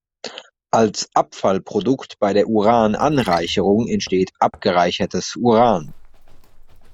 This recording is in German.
Als Abfallprodukt bei der Uran-Anreicherung entsteht abgereichertes Uran.